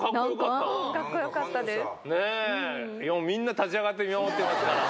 いや、みんな立ち上がって見守ってたから。